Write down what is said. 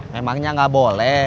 memangnya gak boleh